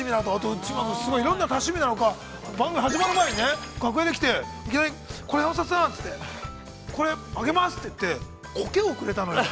内村君、すごいいろんな多趣味なのか、番組始まる前にね、楽屋に来ていきなり、これ山里さんっつってこれ、あげますって言って、コケをくれたのよ。